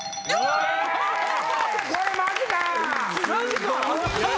よし！